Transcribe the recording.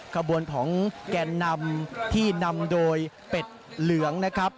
ขบวนของแกนนำที่นำโดยเป็ดเหลืองนะครับ